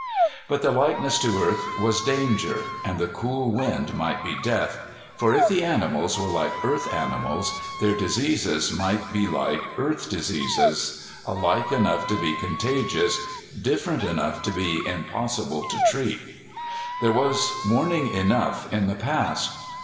But the likeness to Earth was danger, and the cool wind might be death, for if the animals were like Earth animals, their diseases might be like Earth diseases, alike enough to be contagious, different enough to be impossible to treat. There was warning enough in the past.